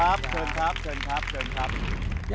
สวัสดีครับสวัสดีครับสวัสดีครับสวัสดีครับสวัสดีครับ